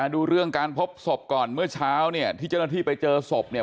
ดูเรื่องการพบศพก่อนเมื่อเช้าเนี่ยที่เจ้าหน้าที่ไปเจอศพเนี่ย